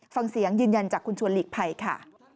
ฟังเสียงยืนยันจากคุณชวนหลีกภัยค่ะ